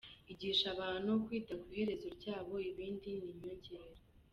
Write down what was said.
Igisha abantu kwita ku iherezo ryabo ibindi ni inyongera.